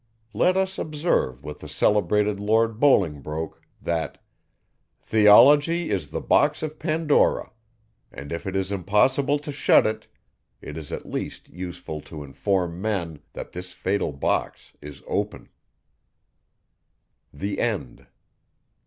Let us observe with the celebrated Lord Bolingbroke, that "_theology is the box of Pandora; and if it is impossible to shut it, it is at least useful to inform men, that this fatal box is open_." THE END.